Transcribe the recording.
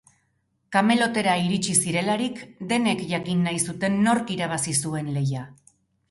Kamelotera iritsi zirelarik, denek jakin nahi zuten nork irabazi zuen lehia.